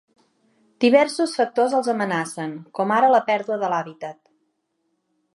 Diversos factors els amenacen, com ara la pèrdua de l'hàbitat.